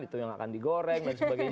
itu yang akan digoreng dan sebagainya